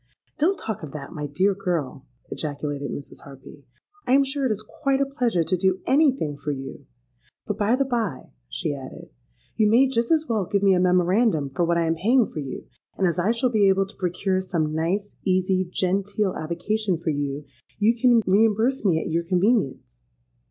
'—'Don't talk of that, my dear girl,' ejaculated Mrs. Harpy. 'I'm sure it is quite a pleasure to do any thing for you. But, by the by,' she added, 'you may just as well give me a memorandum for what I am paying for you; and as I shall be able to procure some nice, easy, genteel avocation for you, you can reimburse me at your convenience.'